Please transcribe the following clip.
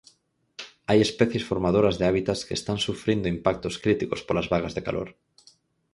Hai especies formadoras de hábitats que están sufrindo impactos críticos polas vagas de calor.